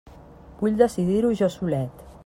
Vull decidir-ho jo solet!